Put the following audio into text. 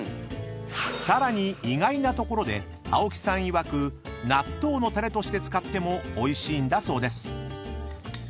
［さらに意外なところで青木さんいわく納豆のタレとして使ってもおいしいんだそうです］